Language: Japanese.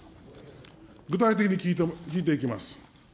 具体的に聞いていきます。